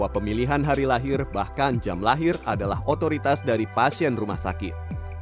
pemilihan hari lahir bahkan jam lahir adalah otoritas dari pasien rumah sakit